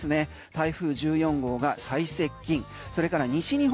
台風１４号が最接近それから西日本